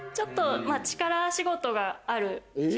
力仕事があ